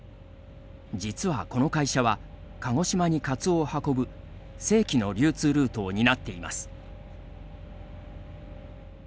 実はこの会社は鹿児島にカツオを運ぶ正規の流通ルートを担っています。